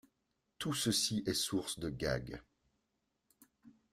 Tout ceci est source de gags.